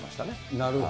なるほど。